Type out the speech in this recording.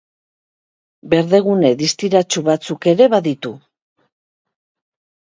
Berdegune distiratsu batzuk ere baditu.